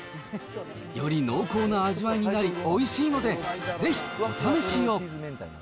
より濃厚な味わいになり、おいしいので、ぜひお試しを。